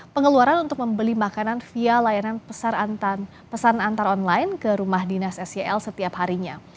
pengeluaran untuk membeli makanan via layanan pesan antar online ke rumah dinas sel setiap harinya